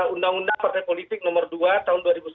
undang undang partai politik nomor dua tahun dua ribu sembilan belas